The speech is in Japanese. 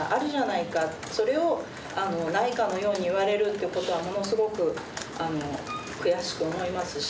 それをないかのように言われるということはものすごく悔しく思いますし。